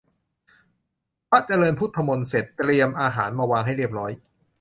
พระเจริญพุทธมนต์เสร็จ เตรียมอาหารมาวางให้เรียบร้อย